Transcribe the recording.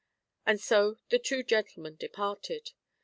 And so the two gentlemen parted.